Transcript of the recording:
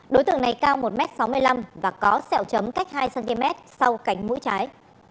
đối tượng này cao một m sáu mươi năm và có sẹo chấm cách hai cm sau cánh mũi trái